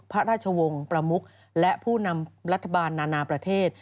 พระราชวงศ์ประมุกและผู้นำรัฐบาลนานาประเทศ